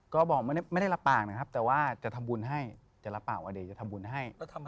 ก็บอกไม่ได้รับปากนะครับแต่ว่าจะทำบุญให้จะรับปากว่าเดี๋ยวจะทำบุญให้